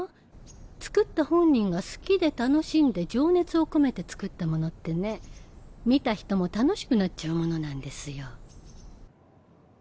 作った本人が好きで楽しんで情熱を込めて作ったものってね見た人も楽しくなっちゃうものなんですよ。